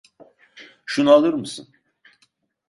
Şunu alır mısın?